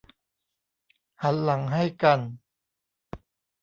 หันหลังให้กัน